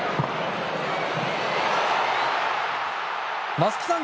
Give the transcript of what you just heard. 松木さん